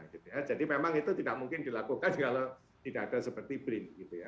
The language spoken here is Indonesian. jadi memang itu tidak mungkin dilakukan jika tidak ada seperti bri gitu ya